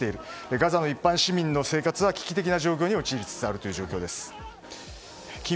ガザの一般市民の生活は危機的状況に陥りつつあるという状況です。